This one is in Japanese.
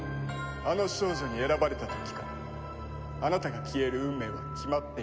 あの少女に選ばれた時からあなたが消える運命は決まっていた。